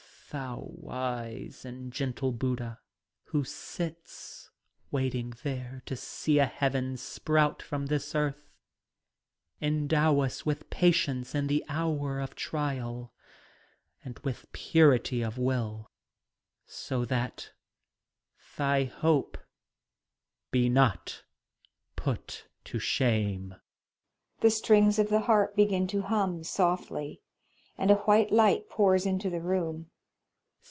Thou wise and gentle Buddha, who sitst waiting there to see a heaven sprout from this earth, endow us with patience in the hour of trial, and with purity of will, so that thy hope be not put to shame ! The strings of the harp begin, to hum sofUy, and a white light pours into the room.